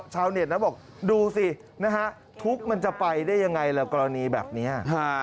ชาวเน็ตนะบอกดูสินะฮะทุกข์มันจะไปได้ยังไงล่ะกรณีแบบนี้